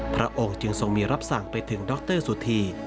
พระองค์จึงทรงมีรับสั่งไปถึงดรสุธี